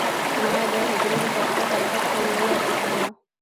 ما د حجرو د سرچپه حرکت فارموله اېستې وه.